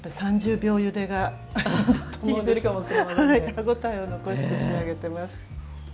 歯ごたえを残して仕上げてます。